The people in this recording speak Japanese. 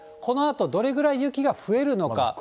このあとどれくらい雪が増えるのか。